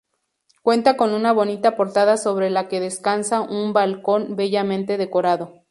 Cuenta con una bonita portada sobre la que descansa un balcón bellamente decorado.